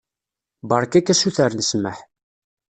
Beṛka-k asuter n ssmaḥ.